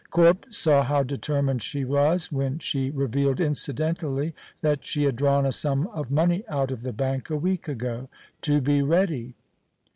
Corp saw how determined she was when she revealed, incidentally, that she had drawn a sum of money out of the bank a week ago, "to be ready."